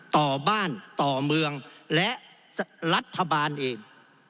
ต่อบ้านต่อเมืองและรัฐบาลเอง